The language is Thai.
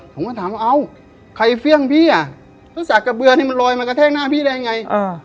ผมก็ถามว่าเอ้าใครเฟี่ยงพี่อ่ะรู้จักกระเบือนี่มันลอยมากระแทกหน้าพี่ได้ยังไง